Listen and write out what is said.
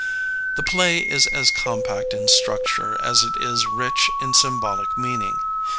The play is as compact in structure as it is rich in symbolic meaning.